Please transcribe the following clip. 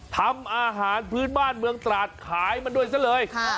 ทำอาหารพื้นบ้านเมืองตราดขายมันด้วยซะเลย